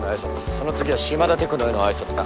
その次は嶋田テクノへのあいさつだ